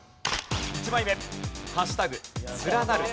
１枚目。